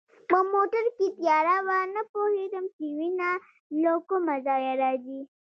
په موټر کې تیاره وه، نه پوهېدم چي وینه له کومه ځایه راځي.